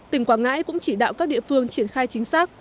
tỉnh quảng ngãi cũng chỉ đạo các địa phương triển khai chính xác